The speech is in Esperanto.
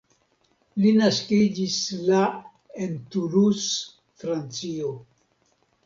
Li naskiĝis la en Toulouse Francio.